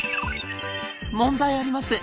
「問題ありません。